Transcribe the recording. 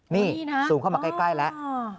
นี่ซูมเข้ามาใกล้แล้ว